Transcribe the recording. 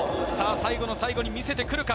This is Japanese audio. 最後の最後に見せてくるか？